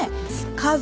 家族。